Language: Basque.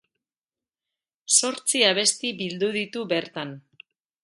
Zortzi abesti bildu ditu bertan.